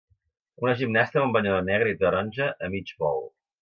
Una gimnasta amb un banyador negre i taronja a mig vol